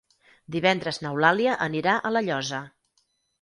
Divendres n'Eulàlia anirà a La Llosa.